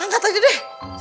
angkat aja deh